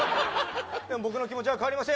僕の気持ちは変わりません。